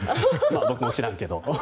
僕も知らんけど！